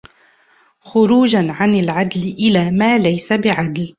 خُرُوجًا عَنْ الْعَدْلِ إلَى مَا لَيْسَ بِعَدْلٍ